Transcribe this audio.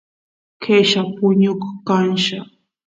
qella puñuchkanlla